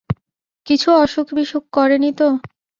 কিছু অসুখ-বিসুখ করে নি তো?